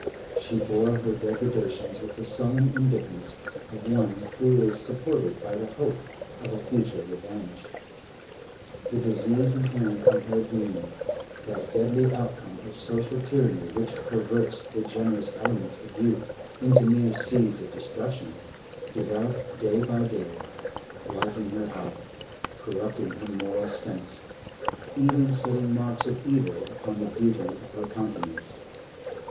She bore her degradations with the sullen indifference of one who is supported by the hope of a future revenge. The disease inherent in her being, that deadly outcome of social tyranny which perverts the generous elements of youth into mere seeds of destruction, developed day by day, blighting her heart, corrupting her moral sense, even setting marks of evil upon the beauty of her countenance.